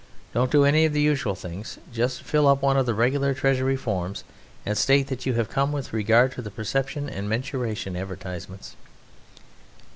Don't do any of the usual things, but just fill up one of the regular Treasury forms and state that you have come with regard to the Perception and Mensuration advertisements."